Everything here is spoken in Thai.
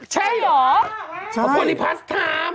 ใช่หรอใช่พ่อนี่พัฒน์เวลา